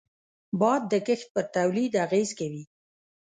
باد د کښت پر تولید اغېز کوي